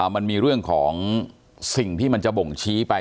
มันมีเรื่องของสิ่งที่มันจะบ่งชี้ไป